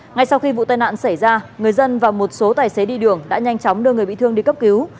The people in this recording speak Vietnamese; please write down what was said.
ngay sau khi vụ tai nạn xảy ra người dân và một số tài xế đi đường đã nhanh chóng đưa người bị thương đi cấp cứu